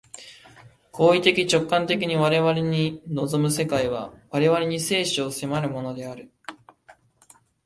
行為的直観的に我々に臨む世界は、我々に生死を迫るものである。